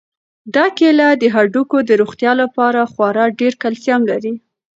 دا کیله د هډوکو د روغتیا لپاره خورا ډېر کلسیم لري.